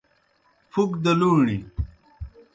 پُھک دہ لُوݨیْ